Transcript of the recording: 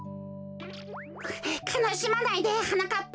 かなしまないではなかっぱ。